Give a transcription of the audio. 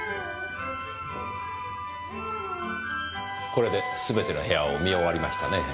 これですべての部屋を見終わりましたねぇ。